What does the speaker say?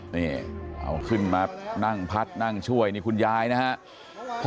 นี่เอาขึ้นมานั่งพัดนั่งช่วยนี่คุณยายนะครับ